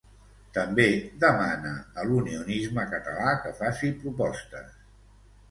També demana a l'unionisme català que faci propostes.